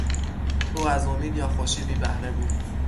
او از امید یا خوشی بی بهره بود.